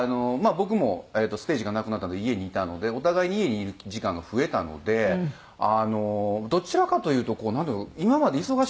僕もステージがなくなったので家にいたのでお互いに家にいる時間が増えたのであのどちらかというとこうなんていうんですか？